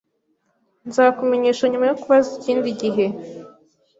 Nzakumenyesha nyuma yo kubaza ikindi gihe